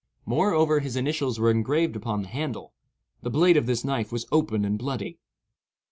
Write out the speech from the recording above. Moreover, his initials were engraved upon the handle. The blade of this knife was open and bloody.